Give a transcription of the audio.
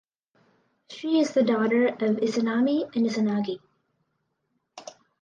She is the daughter of Izanami and Izanagi.